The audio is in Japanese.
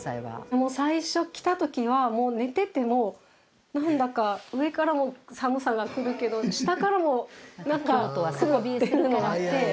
最初来た時はもう寝ててもなんだか上からも寒さがくるけど下からもなんかくるっていうのがあって。